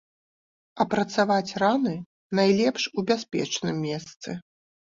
Апрацаваць раны найлепш у бяспечным месцы.